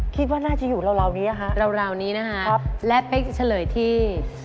คิดว่าน่าจะอยู่ราวนี้นะคะราวนี้นะฮะและเป๊กจะเฉลยที่